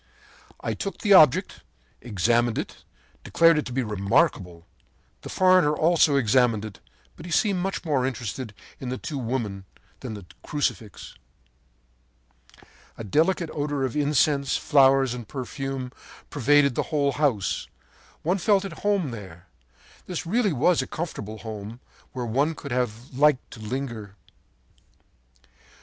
“I took the object, examined it and declared it to be remarkable. The foreigner also examined it, but he seemed much more interested in the two women than in the crucifix. “A delicate odor of incense, flowers and perfume pervaded the whole house. One felt at home there. This really was a comfortable home, where one would have liked to linger.